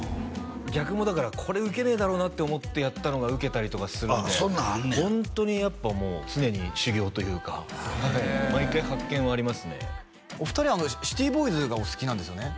逆もだからこれウケねえだろうなって思ってやったのがウケたりとかするんでホントにやっぱもう常に修業というか毎回発見はありますねお二人はシティボーイズがお好きなんですよね？